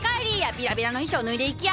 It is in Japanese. ビラビラの衣装脱いでいきや？